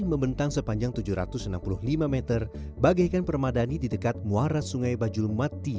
membentang sepanjang tujuh ratus enam puluh lima m bagaikan permadani di dekat muara sungai bajulmati